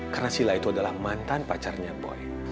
karena sila itu adalah mantan pacarnya boy